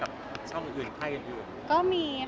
ก็คือจะไปใช้ชีวิตที่นั่น